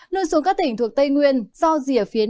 nơi xuống các tỉnh thuộc tây nguyên do rỉa phiến